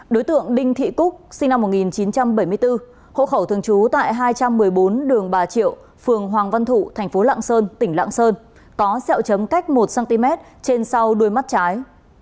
đối tượng đinh thị cúc sinh năm một nghìn chín trăm bảy mươi bốn hộ khẩu thường trú tại hai trăm một mươi bốn đường bà triệu phường hoàng văn thụ thành phố lạng sơn tỉnh lạng sơn có xeo chấm cách một cm trên sau đuôi mắt trái